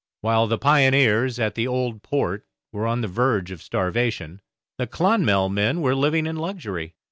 While the pioneers at the Old Port were on the verge of starvation, the 'Clonmel' men were living in luxury.